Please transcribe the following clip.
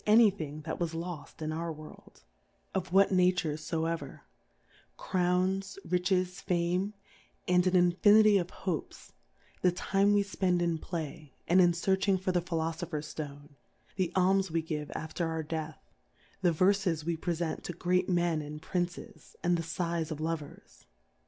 ig that was Jofi in our World, af what natme fever y Crowns^ Riches^ Fame^ and an infinity ofHofes ; the time we ffend in Piay^ and in fearching for the Pijilojo'her^s Stone^ the Alms voe give after our Death y the Verfes we fre* fent to great Men and Princes^ and the Sighs of Lovers.